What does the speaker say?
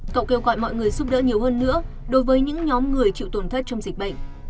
cậu kêu gọi mọi người giúp đỡ nhiều hơn nữa đối với những nhóm người chịu tổn thất trong dịch bệnh